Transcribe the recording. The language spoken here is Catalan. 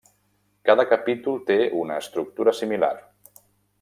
Cada capítol té una estructura similar.